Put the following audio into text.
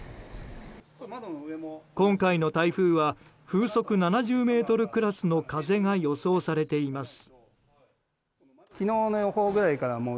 今回の台風は風速７０メートルクラスの風が予想されています。